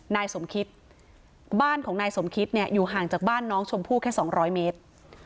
นายสมคิตบ้านของนายสมคิตเนี่ยอยู่ห่างจากบ้านน้องชมพู่แค่๒๐๐เมตร